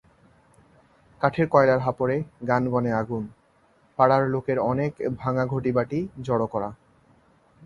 কাঠের কয়লার হাপরে গানগনে আগুন, পাড়ার লোকের অনেক ভাঙা ঘটিবাটি জড়ো করা।